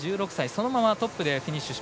そのままトップでフィニッシュ。